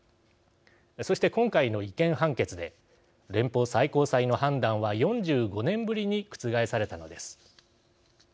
そして今回の違憲判決で連邦最高裁の判断は４５年ぶりに覆されたのです。